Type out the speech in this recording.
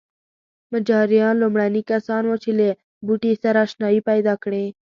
مجاریان لومړني کسان وو چې له بوټي سره اشنايي پیدا کړې.